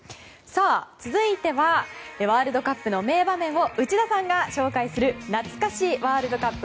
続いては、ワールドカップの名場面を内田さんが紹介するなつか史ワールドカップ。